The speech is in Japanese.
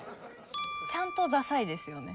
ちゃんとださいですよね。